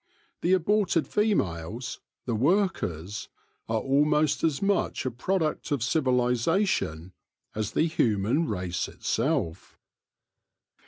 The aborted females, the workers, are almost as much a product of civilisation as the human race itself.